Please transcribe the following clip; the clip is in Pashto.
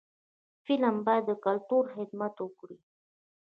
فلم باید د کلتور خدمت وکړي